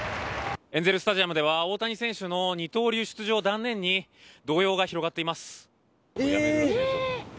エンゼル・スタジアムでは大谷選手の二刀流出場断念に動揺が広がっています。